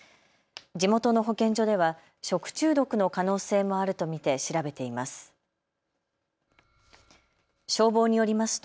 地元の保健所では食中毒の可能性もあると見て調べています。